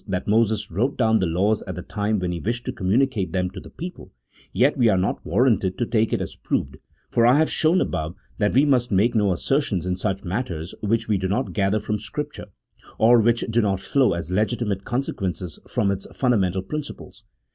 127 that Moses wrote down the laws at the time when he wished to communicate them to the people, yet we are not warranted to take it as proved, for I have shown above that we must mate no assertions in such matters which we do not gather from Scripture, or which do not flow as legitimate consequences from its fundamental principles.